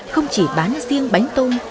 không chỉ bán riêng bánh tôm